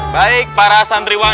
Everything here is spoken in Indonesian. baik para sandriwan